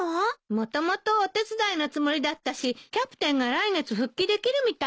もともとお手伝いのつもりだったしキャプテンが来月復帰できるみたいだから。